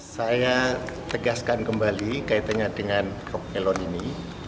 saya tegaskan kembali kaitannya dengan elon ini